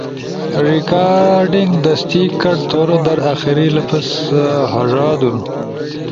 ریکارڈنگ دست کٹ تھؤن در آخری لفظ ہارادو